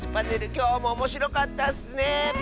きょうもおもしろかったッスね！